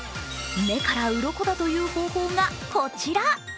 目からうろこだという方法がこちら。